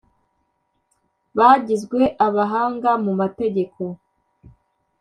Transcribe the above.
bagizwe abahanga mu mategeko